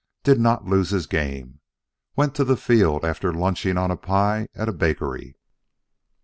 Did not lose his game. Went to the field after lunching on pie at a bakery.